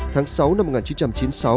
tháng sáu năm một nghìn chín trăm chín mươi sáu